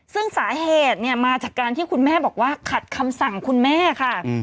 ซึ่งสาเหตุเนี่ยมาจากการที่คุณแม่บอกว่าขัดคำสั่งคุณแม่ค่ะ